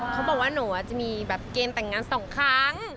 เขาบอกว่าหนูจะมีแบบเกณฑ์แต่งงาน๒ครั้ง